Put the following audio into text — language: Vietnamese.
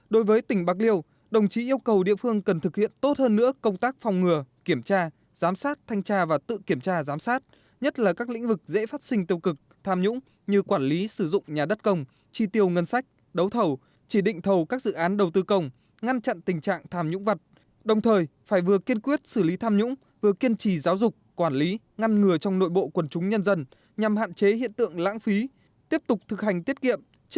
đối với tỉnh bạc liêu đồng chí yêu cầu địa phương cần thực hiện tốt hơn nữa công tác phòng ngừa kiểm tra giám sát thanh tra và tự kiểm tra giám sát nhất là các lĩnh vực dễ phát sinh tiêu cực tham nhũng như quản lý sử dụng nhà đất công chi tiêu ngân sách đấu thầu chỉ định thầu các dự án đầu tư công ngăn chặn tình trạng tham nhũng vật đồng thời phải vừa kiên quyết xử lý tham nhũng vừa kiên trì giáo dục quản lý ngăn ngừa trong nội bộ quần chúng nhân dân nhằm hạn chế hiện tượng lãng phí tiếp tục thực hành ti